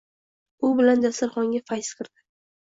U bilan dasturxonga fayz kirdi.